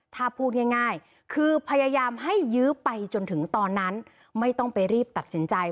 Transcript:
ถ้าพูดง่ายคือพยายามให้ยื้อไปจนถึงตอนนั้นไม่ต้องไปรีบตัดสินใจ